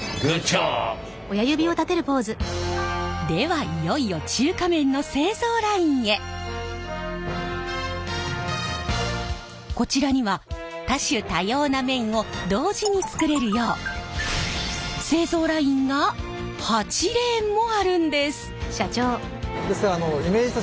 ではいよいよこちらには多種多様な麺を同時に作れるよう製造ラインが８レーンもあるんです。